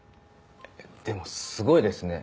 でもすごいですね